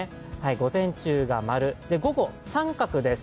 午前中が○、午後△です。